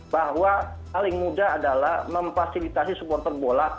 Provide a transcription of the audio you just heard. bahwa paling mudah adalah memfasilitasi supporter bola